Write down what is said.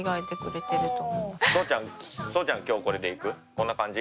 こんな感じ？